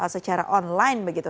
secara online begitu